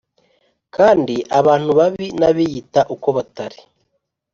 Kandi abantu babi n abiyita uko batari